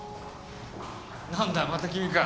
何だまた君か。